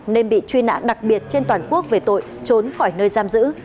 nên bị truy nã đặc biệt trên toàn quốc về tội trốn khỏi nơi giam giữ